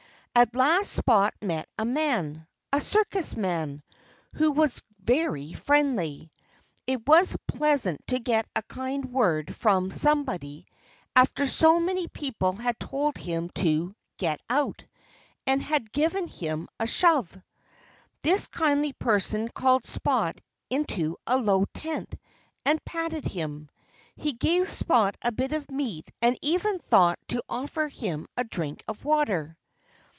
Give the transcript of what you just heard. At last Spot met a man a circus man who was very friendly. It was pleasant to get a kind word from somebody, after so many people had told him to "get out," and had given him a shove. This kindly person called Spot into a low tent and patted him. He gave Spot a bit of meat and even thought to offer him a drink of water.